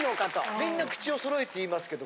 みんな口を揃えて言いますけど。